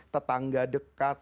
tetangga dan anak anak miskin